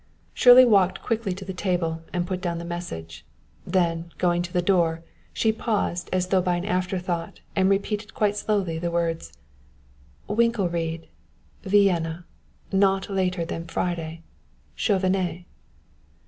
Shirley walked quickly to the table and put down the message. Then, going to the door, she paused as though by an afterthought, and repeated quite slowly the words: "Winkelried Vienna not later than Friday Chauvenet."